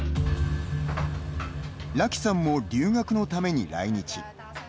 ラキさんも留学のために来日。